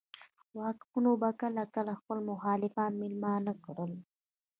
واکمنو به کله کله خپل مخالفان مېلمانه کړل.